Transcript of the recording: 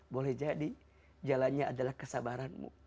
boleh jadi jalannya adalah kesabaranmu